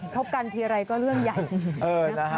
พบกันทีอะไรก็เรื่องใหญ่